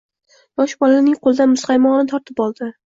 yosh bolaning qo‘lidan muzqaymog‘ini tortib oldi